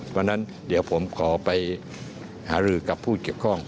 เพราะฉะนั้นเดี๋ยวผมขอไปหารือกับผู้เกี่ยวข้อง